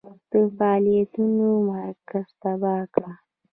د فعالیتونو مرکز تباه کړ.